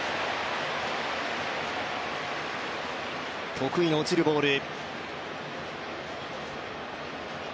得意の落ちるボール。